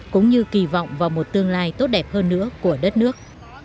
cũng như kỳ vọng vào một tương lai tốt đẹp hơn nữa của đất nước